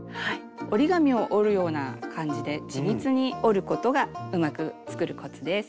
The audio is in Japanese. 折り紙を折るような感じで緻密に折ることがうまく作るコツです。